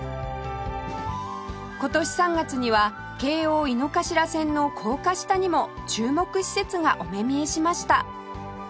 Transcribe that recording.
今年３月には京王井の頭線の高架下にも注目施設がお目見えしました